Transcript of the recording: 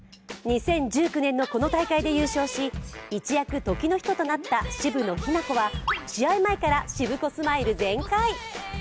２０１９年のこの大会で優勝し一躍、時の人となった渋野日向子は試合前からしぶこスマイル全開。